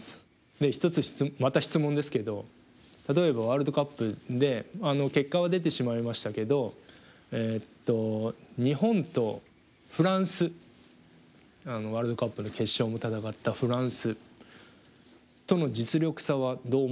で１つ質問また質問ですけど例えばワールドカップで結果は出てしまいましたけど日本とフランスワールドカップの決勝も戦ったフランスとの実力差はどう思いますか？